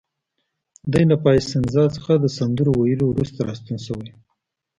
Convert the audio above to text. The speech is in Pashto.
دی له پایسنزا څخه د سندرو ویلو وروسته راستون شوی و.